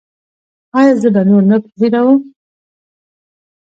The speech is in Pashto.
ایا زه به نور نه هیروم؟